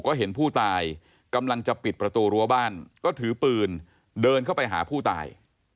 ก็เห็นผู้ตายกำลังจะปิดประตูรั้วบ้านก็ถือปืนเดินเข้าไปหาผู้ตาย